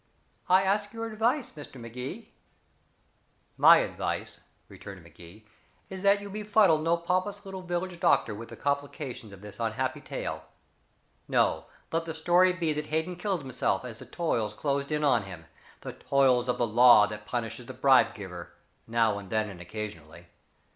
I ask your advice, Mr. Magee." "My advice," returned Magee, "is that you befuddle no pompous little village doctor with the complication of this unhappy tale. No, let the story be that Hayden killed himself as the toils closed in on him the toils of the law that punishes the bribe giver now and then and occasionally.